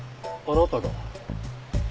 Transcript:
あなたが？